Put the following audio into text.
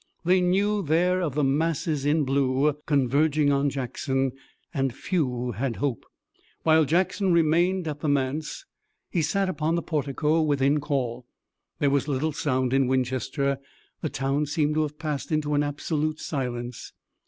They knew there of the masses in blue converging on Jackson, and few had hope. While Jackson remained at the manse he sat upon the portico within call. There was little sound in Winchester. The town seemed to have passed into an absolute silence.